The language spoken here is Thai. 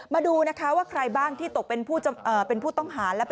มาดูนะคะว่าใครบ้างที่ตกเป็นผู้ต้องหา